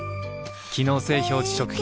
機能性表示食品